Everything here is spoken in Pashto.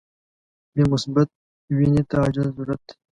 بی مثبت وینی ته عاجل ضرورت دي.